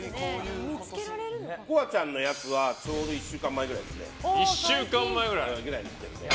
ココアちゃんのやつはちょうど１週間前くらいですね。